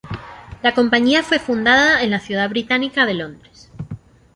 La compañía fue fundada en la ciudad británica de Londres.